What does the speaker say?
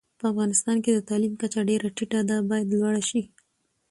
په افغانستان کي د تعلیم کچه ډيره ټیټه ده، بايد لوړه شي